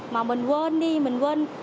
mà mình quên đi mình quên